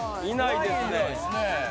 いないですねえ。